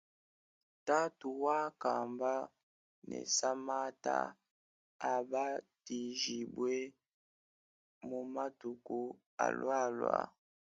Tatu wakamba ne samanta abatijibwe mu matuku alwalwa.